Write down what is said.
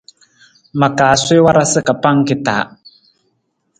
Ma kaa suwii warasa ka pangki ta.